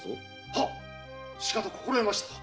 はっしかと心得ました。